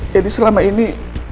jadi selama ini